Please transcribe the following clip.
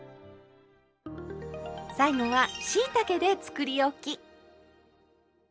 最後はしいたけでつくりおき。